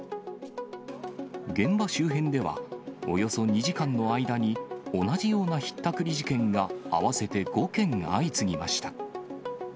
現場周辺では、およそ２時間の間に同じようなひったくり事件が合わせて５件相次ぎました。